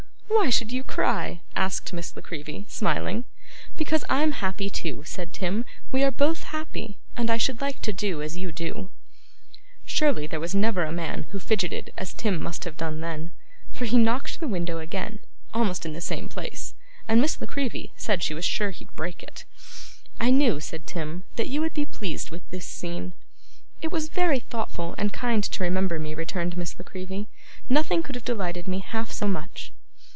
'Why should you cry?' asked Miss La Creevy, smiling. 'Because I'm happy too,' said Tim. 'We are both happy, and I should like to do as you do.' Surely, there never was a man who fidgeted as Tim must have done then; for he knocked the window again almost in the same place and Miss La Creevy said she was sure he'd break it. 'I knew,' said Tim, 'that you would be pleased with this scene.' 'It was very thoughtful and kind to remember me,' returned Miss La Creevy. 'Nothing could have delighted me half so much.